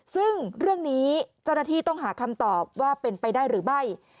ซึ่งเรื่องนี้เจ้าหน้าที่ต้องหาคำตอบว่าเป็นไปได้หรือไม่